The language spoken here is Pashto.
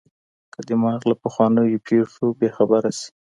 که دماغ له پخوانیو پېښو بې خبره سي